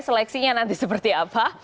seleksinya nanti seperti apa